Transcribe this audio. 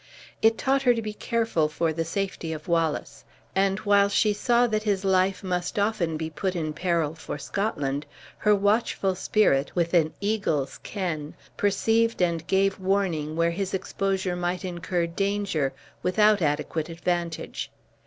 It taught her to be careful for the safety of Wallace; and while she saw that his life must often be put in peril for Scotland, her watchful spirit, with an eagle's ken, perceived and gave warning where his exposure might incur danger without adequate advantage.